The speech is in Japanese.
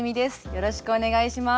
よろしくお願いします。